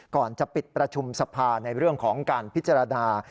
ก่อนจะปิดประชุมสภาในเรื่องของการพิจารณา